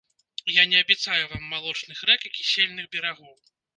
Я не абяцаю вам малочных рэк і кісельных берагоў.